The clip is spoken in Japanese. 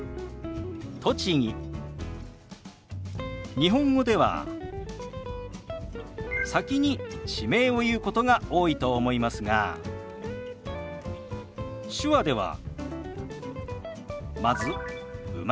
日本語では先に地名を言うことが多いと思いますが手話ではまず「生まれ」。